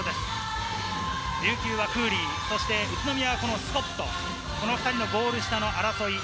琉球はクーリー、そして宇都宮はこのスコット、２人のゴール下の争い。